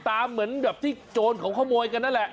เหมือนแบบที่โจรเขาขโมยกันนั่นแหละ